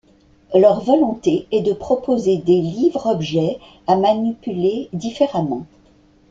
Leur volonté est de proposer des livres-objet à manipuler différemment.